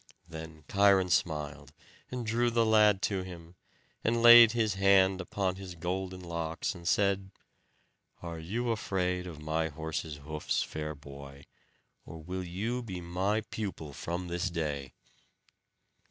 Then Cheiron smiled, and drew the lad to him, and laid his hand upon his golden locks, and said, "Are you afraid of my horse's hoofs, fair boy, or will you be my pupil from this day?"